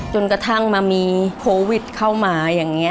จนกระทั่งมามีโควิดเข้ามาอย่างนี้